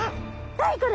何これ？